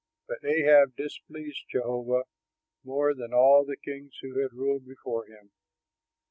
But Ahab displeased Jehovah more than all the kings who had ruled before him.